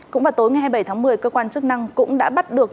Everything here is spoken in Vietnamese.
cũng vào tối ngày hai mươi bảy tháng một mươi cơ quan chức năng cũng đã bắt được